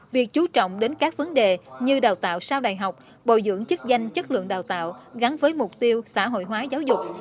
việc chú trọng đến các vấn đề như đào tạo sau đại học bồi dưỡng chức danh chất lượng đào tạo gắn với mục tiêu xã hội hóa giáo dục